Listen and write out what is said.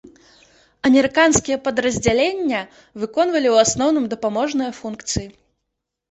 Амерыканскія падраздзялення выконвалі ў асноўным дапаможныя функцыі.